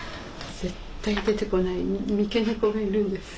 絶対出てこない三毛猫がいるんです。